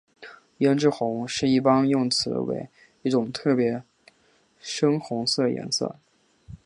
胭脂红是一般用语为一特别深红色颜色。